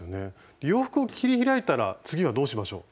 洋服を切り開いたら次はどうしましょう？